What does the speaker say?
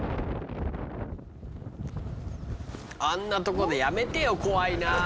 あんなとこでやめてよ怖いな。